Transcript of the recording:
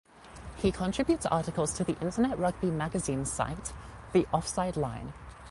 He contributes articles to the internet rugby magazine site "The Offside Line".